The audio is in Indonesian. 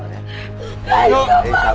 eh ada kesalahan nih